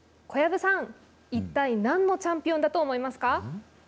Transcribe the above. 小籔さん、一体なんのチャンピオンだと思いますか。